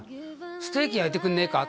「ステーキ焼いてくんねえか」